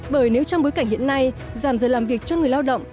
bởi nếu trong bối cảnh hiện nay giảm giờ làm việc cho người lao động